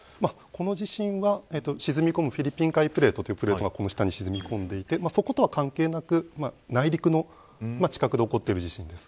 この地震は沈み込むフィリピン海プレートが沈み込んでいてそことは関係なく、内陸の地殻で起こっている地震です。